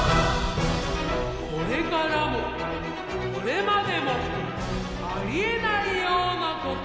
これからもこれまでもありえないようなこと。